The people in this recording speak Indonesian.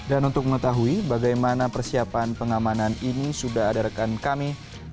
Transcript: dan untuk mengetahui bagaimana persiapan pengamanan ini sudah adarkan kami